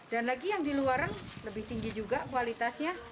dan lagi yang di luar lebih tinggi juga kualitasnya